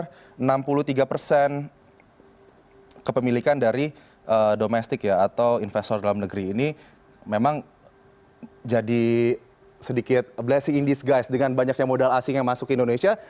jadi ini memang kemungkinan untuk kepemilikan dari domestik atau investor dalam negeri ini memang jadi sedikit blessing in disguise dengan banyaknya modal asing yang masuk ke indonesia